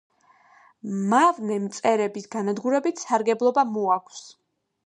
მავნე მწერების განადგურებით სარგებლობა მოაქვს.